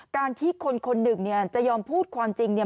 การที่คนคนหนึ่งเนี่ยจะยอมพูดความจริงเนี่ย